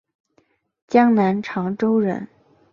江南长洲人。